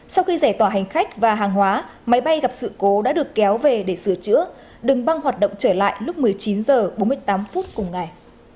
sau khi giải tỏa hành khách và hàng hóa máy bay gặp sự cố đã được kéo về để sửa chữa đừng băng hoạt động trở lại lúc một mươi chín h bốn mươi tám phút cùng ngày